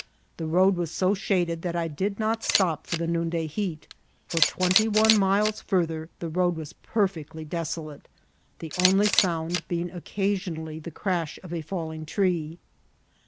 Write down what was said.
The road was so shaded that I did not stop for the noonday heat. For twenty one miles farther the road wa^ per fectly desolate, the only sound being occasionally the crash of a falling tree.